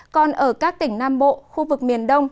còn ở các tỉnh nam bộ khu vực miền đông